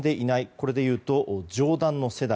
これでいうと上段の世代。